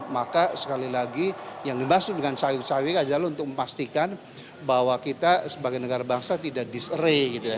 maka sekali lagi yang dimaksud dengan cawik cawik adalah untuk memastikan bahwa kita sebagai negara bangsa tidak diserai gitu ya